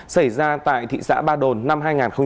xảy ra tại thị xã ba đồn năm hai nghìn một mươi ba